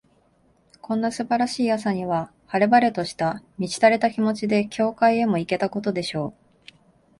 こんな素晴らしい朝には、晴れ晴れとした、満ち足りた気持ちで、教会へも行けたことでしょう。